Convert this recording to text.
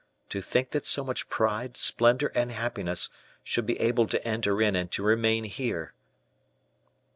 To think that so much pride, splendor, and happiness, should be able to enter in and to remain here!"